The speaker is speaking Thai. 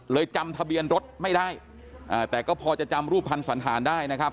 จำทะเบียนรถไม่ได้อ่าแต่ก็พอจะจำรูปภัณฑ์สันธารได้นะครับ